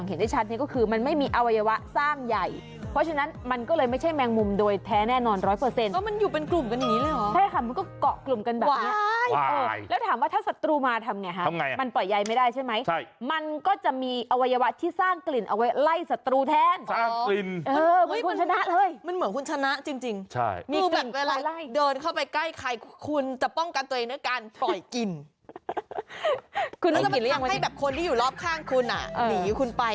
แล้วจะเป็นทางให้แบบคนที่อยู่รอบข้างคุณอ่ะหนีคุณไป